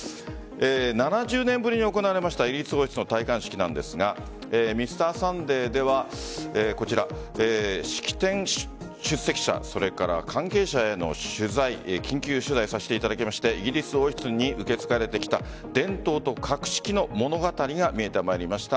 ７０年ぶりに行われたイギリス王室の戴冠式なんですが「Ｍｒ．サンデー」では式典出席者、関係者への取材緊急取材させていただきましてイギリス王室に受け継がれてきた伝統と格式の物語が見えてまいりました。